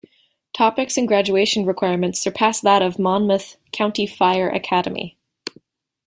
Topics and graduation requirements surpass that of Monmouth County Fire Academy.